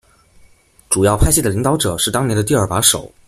主要派系的领导者是当年的第二把手。